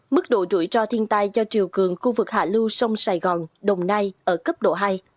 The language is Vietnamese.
mức độ rủi ro thiên tai do triều cường khu vực hạ lưu sông sài gòn đồng nai ở cấp độ hai